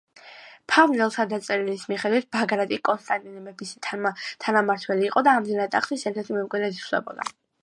ფავნელთა „დაწერილის“ მიხედვით, ბაგრატი კონსტანტინე მეფის თანამმართველი იყო და, ამდენად, ტახტის ერთ-ერთ მემკვიდრედ ითვლებოდა.